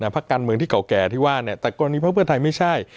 พักการเมืองที่เก่าแก่ที่ว่าแต่กรณีพักเพื่อไทยไม่ใช่